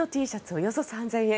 およそ３０００円